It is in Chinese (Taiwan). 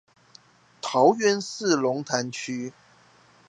桃園市龍潭區